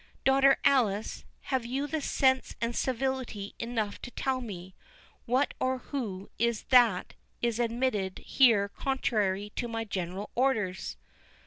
—Daughter Alice, have you sense and civility enough to tell me, what or who it is that is admitted here contrary to my general orders?"